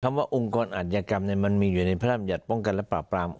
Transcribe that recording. ทำว่าองค์กรอัตยกรรมมันมีอยู่ในพระรามหยัดป้องกันและปราบราม